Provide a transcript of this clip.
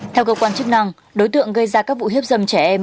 theo cơ quan chức năng đối tượng gây ra các vụ hiếp dâm trẻ em